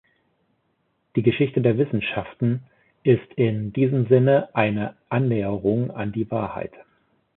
Die Geschichte der Wissenschaften ist in diesem Sinne eine Annäherung an die Wahrheit.